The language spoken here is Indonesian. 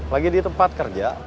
lagi di tempat kerja